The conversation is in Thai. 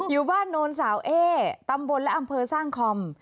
อยู่บ้านโนนสาวเอตำบลและอำเภอสร้างคอม